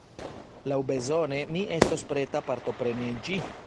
Laŭbezone mi estos preta partopreni en ĝi.